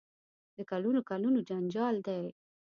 د کلونو کلونو جنجال دی.